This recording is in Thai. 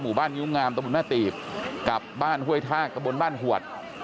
หมู่บ้านยุงงามตระบุนแม่ตีบกับบ้านห้วยทากระบุนบ้านหวด